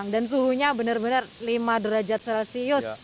dan suhunya bener bener lima derajat celcius